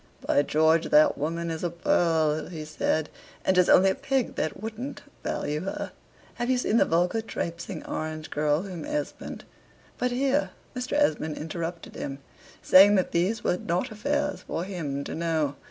"By George, that woman is a pearl!" he said; "and 'tis only a pig that wouldn't value her. Have you seen the vulgar traipsing orange girl whom Esmond" but here Mr. Esmond interrupted him, saying, that these were not affairs for him to know.